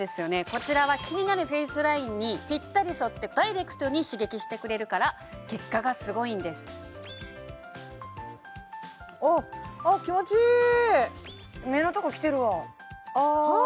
こちらは気になるフェイスラインにピッタリ沿ってダイレクトに刺激してくれるから結果がすごいんですおっ目のとこきてるわああは